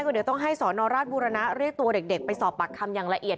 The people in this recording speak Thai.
ก็เดี๋ยวต้องให้สอนอราชบุรณะเรียกตัวเด็กไปสอบปากคำอย่างละเอียด